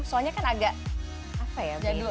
soalnya kan agak apa ya